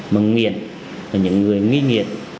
mà nghiện và những người nghi nghiện